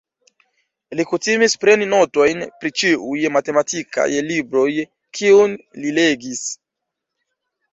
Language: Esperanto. Li kutimis preni notojn pri ĉiuj matematikaj libroj, kiun li legis.